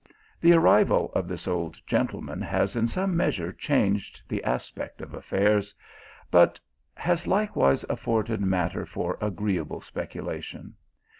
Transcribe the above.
The arrival of this old gentleman has in some measure changed the aspect of affairs, but has like wise afforded matter for agreeable speculation.